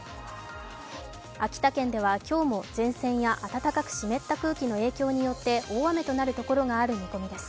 秋田県では今日も前線や暖かく湿った空気の影響で、大雨となるところがある見込みです。